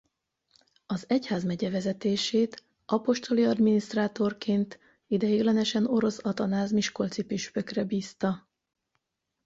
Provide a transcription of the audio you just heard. Az egyházmegye vezetését apostoli adminisztrátorként ideiglenesen Orosz Atanáz miskolci püspökre bízta.